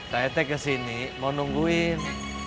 saya kesini mau nungguin